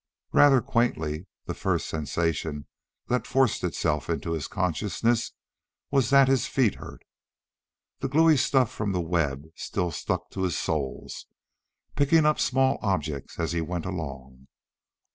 Rather quaintly, the first sensation that forced itself into his consciousness was that his feet hurt. The gluey stuff from the web still stuck to his soles, picking up small objects as he went along.